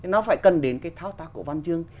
nó phải cần đến cái thao tác cổ văn chương